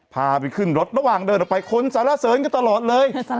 พาไปขึ้นรถระหว่างเดินออกไปคนสารเสริญกันตลอดเลย